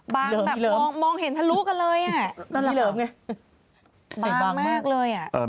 บางแบบมองเห็นทะลุกันเลยน่ะบางมากเลยน่ะนี่เหลิมไงบางมากเลย